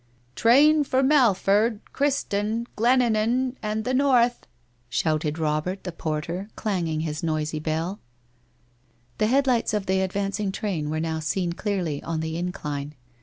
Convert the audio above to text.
...' Train for Melford, Criston, Glenannan, and the North !' shouted Robert, the porter, clanging his noisy bell. The headlights of the advancing train were now seen clearly on the incline.